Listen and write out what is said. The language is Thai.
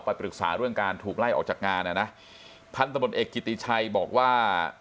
ปรึกษาเรื่องการถูกไล่ออกจากงานอ่ะนะพันธบทเอกกิติชัยบอกว่า